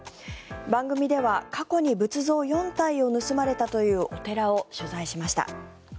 番組では過去に仏像４体を盗まれたというお寺を取材しました。